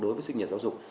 đối với sinh nhật giáo dục